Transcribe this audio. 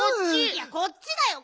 いやこっちだよ。